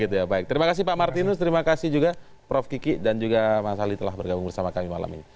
terima kasih pak martinus terima kasih juga prof kiki dan juga mas ali telah bergabung bersama kami malam ini